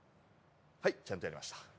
はいちゃんとやりました。